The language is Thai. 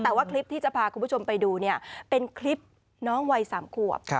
แต่ว่าคลิปที่จะพาคุณผู้ชมไปดูเนี่ยเป็นคลิปน้องวัย๓ขวบ